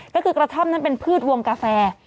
ก็คือกระท่อมนั้นเป็นพืชวงกาแฟ